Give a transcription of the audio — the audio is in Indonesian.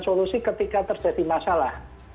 solusi ketika terjadi masalah